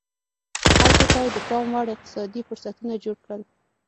خلکو ته یې د پام وړ اقتصادي فرصتونه جوړ کړل